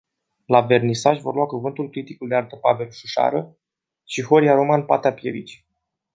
La vernisaj vor lua cuvântul criticul de artă Pavel Șușară și Horia Roman Patapievici.